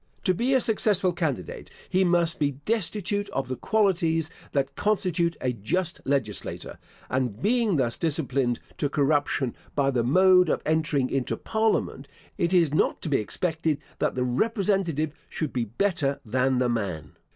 To be a successful candidate, he must be destitute of the qualities that constitute a just legislator; and being thus disciplined to corruption by the mode of entering into Parliament, it is not to be expected that the representative should be better than the man.